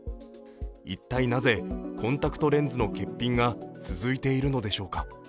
一体なぜコンタクトレンズの欠品が続いているのでしょうか。